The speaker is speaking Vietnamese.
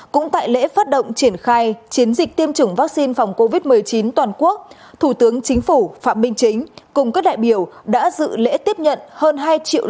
cũng tại lễ phát động triển khai chiến dịch tiêm chủng vaccine phòng covid một mươi chín toàn quốc thủ tướng chính phủ phạm minh chính cùng các đại biểu đã dự lễ tiếp nhận hơn hai triệu đồng